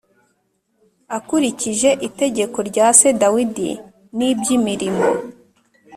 Akurikije itegeko rya se dawidi n iby imirimo